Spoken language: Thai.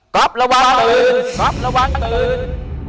ก๊อฟระวังตอนอื่น